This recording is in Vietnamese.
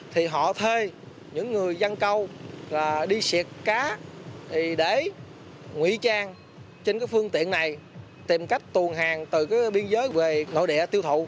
thì họ thê những người dân câu đi xịt cá để nguy trang trên phương tiện này tìm cách tuồn hàng từ biên giới về nội địa tiêu thụ